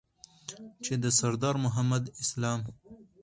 چې د سردار محمد اسلام